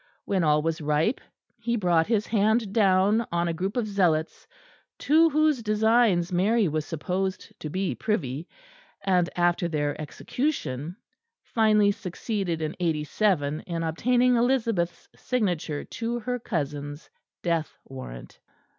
When all was ripe he brought his hand down on a group of zealots, to whose designs Mary was supposed to be privy; and after their execution, finally succeeded, in '87, in obtaining Elizabeth's signature to her cousin's death warrant.